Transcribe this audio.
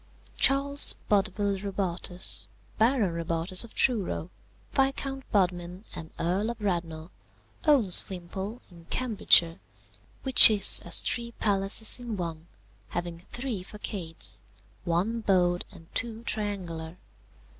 "Charles Bodville Robartes, Baron Robartes of Truro, Viscount Bodmin and Earl of Radnor, owns Wimpole in Cambridgeshire, which is as three palaces in one, having three façades, one bowed and two triangular.